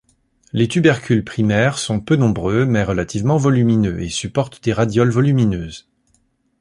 Les tubercules primaires sont peu nombreux mais relativement volumineux, et supportent des radioles volumineuses.